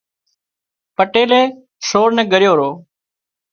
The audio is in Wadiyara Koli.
پٽيلئي سور نين ڳريو رو